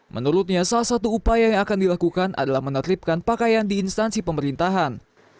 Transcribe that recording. menurutnya salah satu upaya yang akan dilakukan adalah menertibkan pakaian di instansi pemerintahan